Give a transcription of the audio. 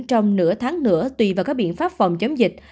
trong nửa tháng nữa tùy vào các biện pháp phòng chống dịch